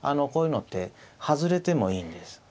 こういうのって外れてもいいんです。